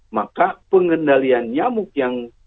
maka pengendalian nyamuk yang